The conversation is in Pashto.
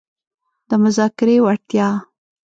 -د مذاکرې وړتیا